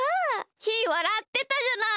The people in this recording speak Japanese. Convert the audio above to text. ひーわらってたじゃない。